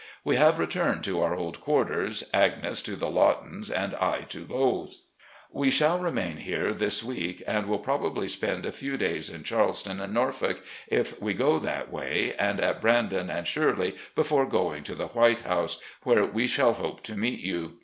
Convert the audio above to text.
We have returned to our old quarters, Agnes to the Lawtons' and I to Lowe's. We shall remain here this week, and will probably spend a few days in Charleston and Norfolk, if we go that way, and at 'Brandon' and 'Shirley' before going to the 'Waite House,' where we shall hope to meet you.